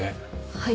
はい。